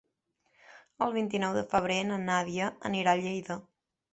El vint-i-nou de febrer na Nàdia anirà a Lleida.